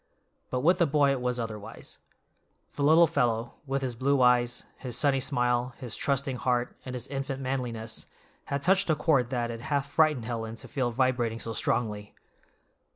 But with the boy it was otherwise. The little fellow, with his blue eyes, his sunny smile, his trusting heart, and his infant manliness, had touched a chord that it half frightened Helen to feel vibrating so strongly.